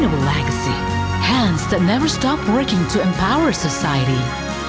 tangan yang tidak berhenti bekerja untuk memperkuat masyarakat